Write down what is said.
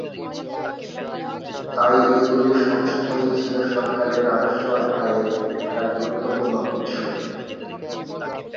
তাই এগুলি সবসময়ই ছিল সরকারের রাজস্ব আয়ের একটা গুরুত্বপূর্ণ উৎস।